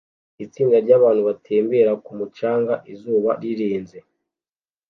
Itsinda ryabantu batembera ku mucanga izuba rirenze